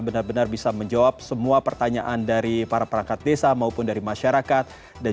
benar benar bisa menjawab semua pertanyaan dari para perangkat desa maupun dari masyarakat dan